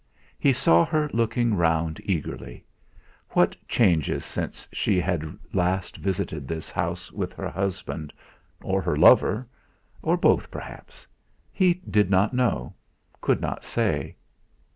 He saw her looking round eagerly; what changes since she had last visited this house with her husband, or her lover, or both perhaps he did not know, could not say!